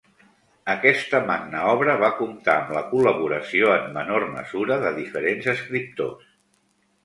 Aquesta magna obra va comptar amb la col·laboració en menor mesura de diferents escriptors.